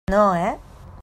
No, eh?